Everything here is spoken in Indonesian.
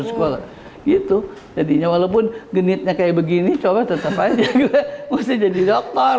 sekolah gitu jadinya walaupun genitnya kayak begini coba tetap aja juga mesti jadi dokter